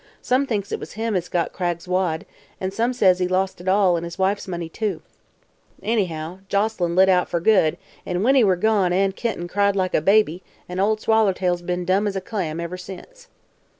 Some thinks it was him as got Cragg's wad, an' some says he lost it all, an' his wife's money, too. Anyhow, Joselyn lit out fer good an' when he were gone Ann Kenton cried like a baby an' ol' Swallertail 's been dumb as a clam ever since."